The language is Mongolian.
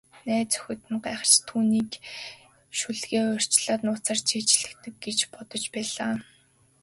Найз охид нь гайхаж, түүнийг шүлгээ урьдчилаад нууцаар цээжилчихдэг гэж бодож байлаа.